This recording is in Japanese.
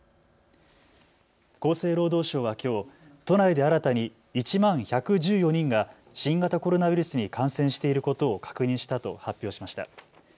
厚生労働省はきょう都内で新たに１万１１４人が新型コロナウイルスに感染していることを確認したと発表しました。